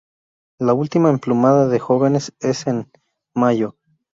La última emplumada de jóvenes es en mayo.